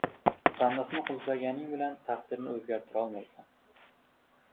• Sandiqni qulflaganing bilan taqdirni o‘zgartirolmaysan.